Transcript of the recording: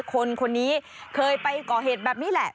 คนนี้เคยไปก่อเหตุแบบนี้แหละ